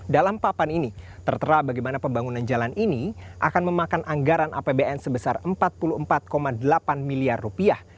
dalam papan ini tertera bagaimana pembangunan jalan ini akan memakan anggaran apbn sebesar empat puluh empat delapan miliar rupiah